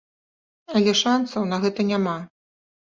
Але шанцаў на гэта няма.